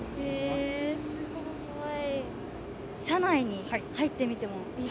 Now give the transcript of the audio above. すごい！